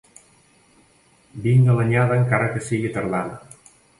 Vinga l'anyada encara que siga tardana.